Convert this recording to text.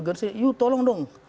gernsey yuk tolong dong